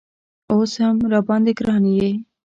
اوس هم راباندې ګران یې